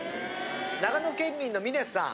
長野県民の峰さん。